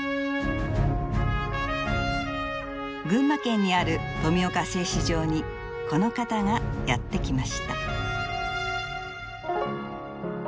群馬県にある富岡製糸場にこの方がやって来ました。